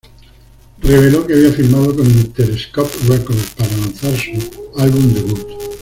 Reveló que había firmado con Interscope Records para lanzar su álbum debut.